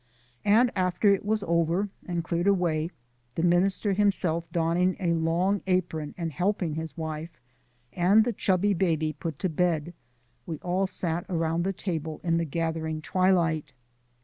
And after it was over and cleared away the minister himself donning a long apron and helping his wife and the chubby baby put to bed, we all sat around the table in the gathering twilight.